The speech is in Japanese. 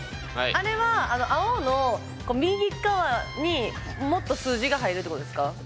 あれは青の右っかわにもっと数字が入るっていうことですか？